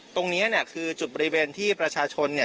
ตรงนี้เนี่ยคือจุดบริเวณที่ประชาชนเนี่ย